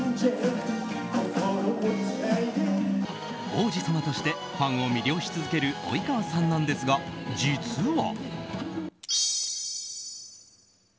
王子様としてファンを魅了し続ける及川さんなんですが実は。